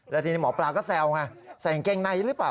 แล้วทีนี้หมอปลาก็แซวไงใส่กางเกงในหรือเปล่า